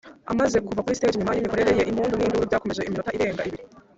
amaze kuva kuri stage nyuma yimikorere ye impundu ninduru byakomeje iminota irenga ibiri.